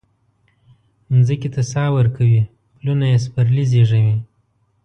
مځکې ته ساه ورکوي پلونه یي سپرلي زیږوي